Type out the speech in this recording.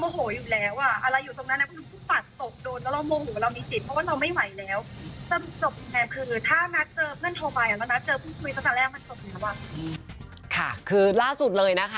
มันจะเดี๋ยวนัดเกลียร์ให้นะคะ